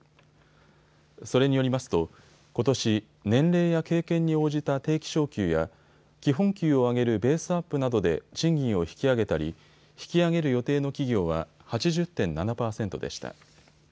それによりますとことし年齢や経験に応じた定期昇給や基本給を上げるベースアップなどで賃金を引き上げたり引き上げる予定の企業は８０．７％でした。